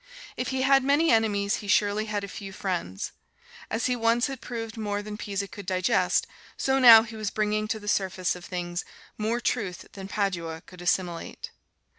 If he had many enemies he surely had a few friends. As he once had proved more than Pisa could digest, so now he was bringing to the surface of things more truth than Padua could assimilate.